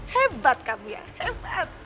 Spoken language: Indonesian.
hebat kamu ya hebat